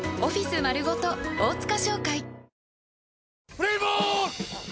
・プレーボール！